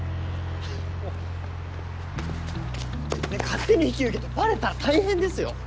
勝手に引き受けてバレたら大変ですよ。